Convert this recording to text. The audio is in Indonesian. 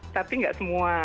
tapi nggak semua